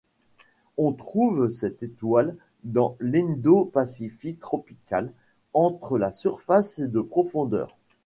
On trouve cette étoile dans l'Indo-Pacifique tropical, entre la surface et de profondeur.